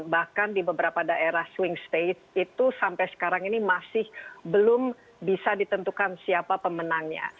bahkan di beberapa daerah swing state itu sampai sekarang ini masih belum bisa ditentukan siapa pemenangnya